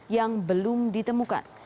yang belum ditemukan